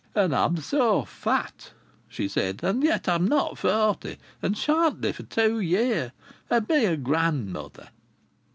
"And I'm so fat!" she said, "and yet I'm not forty, and shan't be for two year and me a grandmother!"